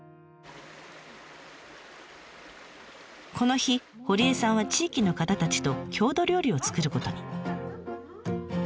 この日堀江さんは地域の方たちと郷土料理を作ることに。